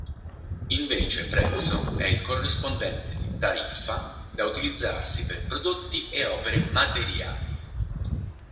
Invece prezzo è il corrispondente di tariffa da utilizzarsi per prodotti e opere materiali.